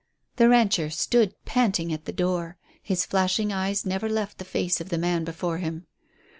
The rancher stood panting at the door. His flashing eyes never left the face of the man before him.